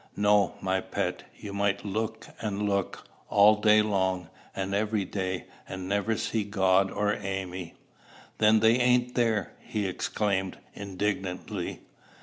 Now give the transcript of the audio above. "No, my pet: you might look and look, all day long, and every day, and never see God or Amy." "Then they ain't there!" he exclaimed indignantly.